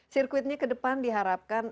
circuitnya ke depan diharapkan